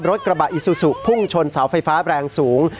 รถกระบะอิซูซูพุ่งชนเสาไฟฟ้าแรงสูง